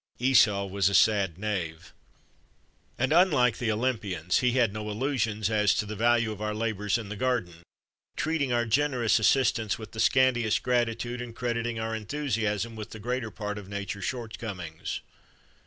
Esau was a sad knave. And, unlike the Olympians, he had no illusions as to the value of our labours in the garden, treating our generous assistance with the scantiest gratitude, and crediting our enthusiasm with the greater part of Nature's shortcomings.